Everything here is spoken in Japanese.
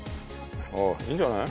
あっいいんじゃない？